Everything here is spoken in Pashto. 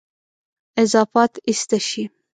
اضافات ایسته شي.